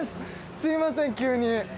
すみません急に。